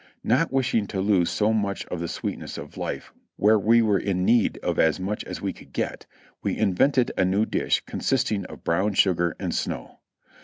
Not wishing to lose so much of the sweetness of life where we were in need of as much as we could get, we invented a new dish con sisting of brown sugar and snow.